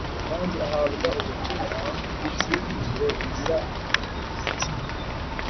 kandi ahabwa ubutumwa bwibyiringiro bugira buti